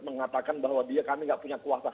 mengatakan bahwa dia kami nggak punya kuasa